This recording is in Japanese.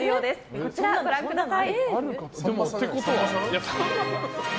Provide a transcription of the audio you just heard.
こちら、ご覧ください。